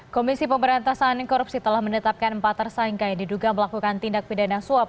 komisi pemberantasan korupsi telah menetapkan empat tersangka yang diduga melakukan tindak pidana suap